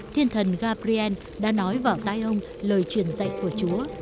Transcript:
thiên thần gaprien đã nói vào tai ông lời truyền dạy của chúa